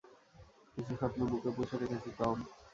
কিছু স্বপ্ন বুকে পুষে রেখেছি, টম!